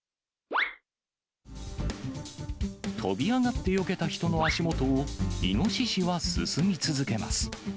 跳び上がってよけた人の足元を、イノシシは進み続けます。